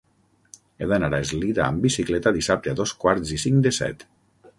He d'anar a Eslida amb bicicleta dissabte a dos quarts i cinc de set.